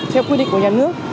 theo quy định của nhà nước